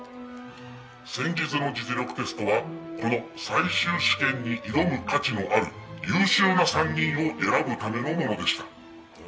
先日の実力テストはこの最終試験に挑む価値のある優秀な３人を選ぶためのものでした。